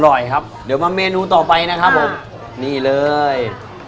อร่อยครับเดี๋ยวมาเมนูต่อไปนะครับผมนี่เลย